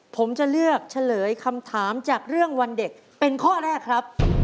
ผมจะเลือกเฉลยคำถามจากเรื่องวันเด็กเป็นข้อแรกครับ